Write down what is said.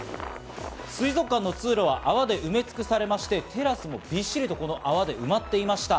水族館の通路は泡で埋め尽くされまして、テラスもびっしりとこの泡で埋まっていました。